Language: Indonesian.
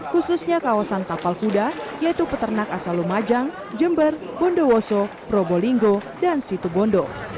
khususnya kawasan tapal kuda yaitu peternak asal lumajang jember bondowoso probolinggo dan situbondo